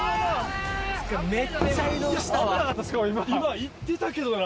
今行ってたけどな。